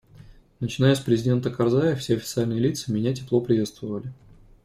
Начиная с президента Карзая, все официальные лица меня тепло приветствовали.